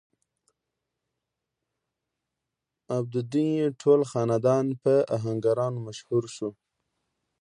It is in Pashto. او ددوي ټول خاندان پۀ اهنګرانو مشهور شو ۔